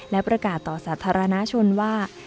และประกาศต่อสาธารณชนว่า